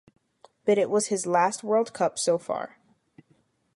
But it was his last World Cup so far.